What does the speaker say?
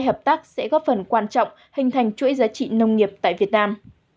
hợp tác sẽ góp phần quan trọng hình thành chuỗi giá trị nông nghiệp tại việt nam